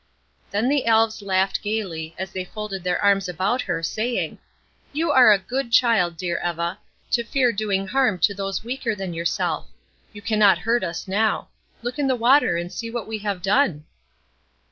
Then the Elves laughed gayly, as they folded their arms about her, saying, "You are a good child, dear Eva, to fear doing harm to those weaker than yourself. You cannot hurt us now. Look in the water and see what we have done."